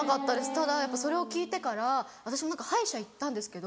ただやっぱそれを聞いてから私も歯医者行ったんですけど